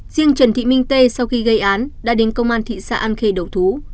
riêng trần thị minh tê sau khi gây án đã đến công an thị xã an khê đầu thú